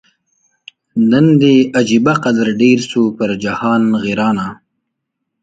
نن دي عجبه قدر ډېر سو پر جهان غیرانه